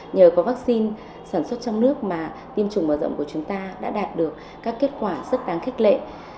nhờ có vaccine sản xuất trong nước mà tiêm chủng mở rộng của chúng ta đã đạt được các kết quả rất đáng khích lệ